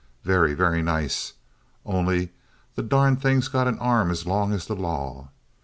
Very, very nice only the darned thing's got an arm as long as the law.